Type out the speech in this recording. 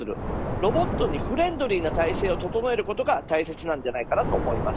ロボットにフレンドリーな体制を整えることが大切だと思います。